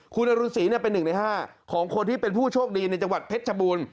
คุณอรุณศรีเป็น๑ใน๕ของคนที่เป็นผู้โชคดีในจังหวัดเพชรชบูรณ์